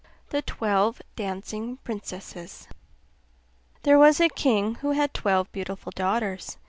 THE TWELVE DANCING PRINCESSES There was a king who had twelve beautiful daughters.